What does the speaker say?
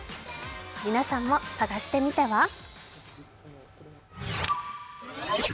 皆さんも探してみては。